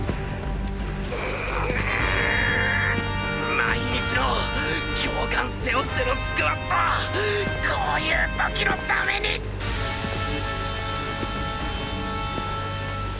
毎日の教官背負ってのスクワットはこういう時のためにッ